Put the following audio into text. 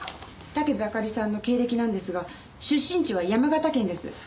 武部あかりさんの経歴なんですが出身地は山形県です。